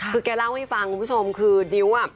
คือแกเล่าให้ฟังคุณผู้ชมคือดิ้วอ่ะ